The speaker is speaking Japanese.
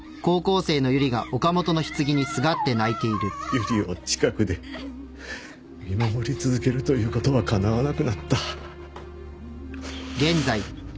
由梨を近くで見守り続けるということはかなわなくなった。